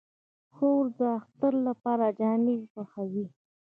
خور د اختر لپاره جامې خوښوي.